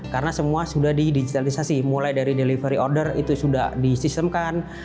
karena semua sudah didigitalisasi mulai dari delivery order itu sudah disistemkan